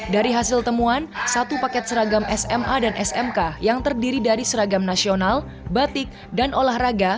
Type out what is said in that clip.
dari hasil temuan satu paket seragam sma dan smk yang terdiri dari seragam nasional batik dan olahraga